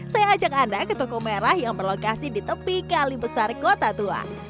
saya ajak anda ke toko merah yang berlokasi di tepi kali besar kota tua